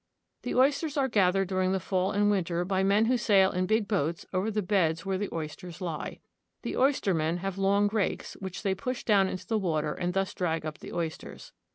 The oysters are gathered during the fall and winter by men who sail in big boats over the beds where the oysters lie. The oystermen have long rakes, which they push down into the water and thus drag up the oysters.